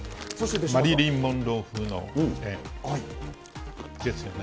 マリリン・モンロー風の、ですよね。